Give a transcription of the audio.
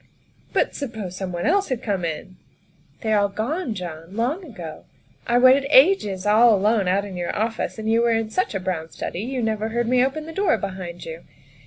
" But suppose someone else had come in?" " They are all gone, John long ago. I waited ages all alone out in your office, and you were in such a brown study you never heard me open the door behind you.